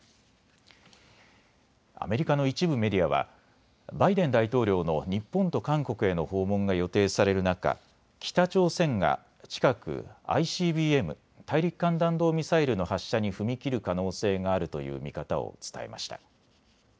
アメリカの一部メディアはバイデン大統領の日本と韓国への訪問が予定される中、北朝鮮が近くＩＣＢＭ・大陸間弾道ミサイルの発射に踏み切る可能性があるという見方を伝えました。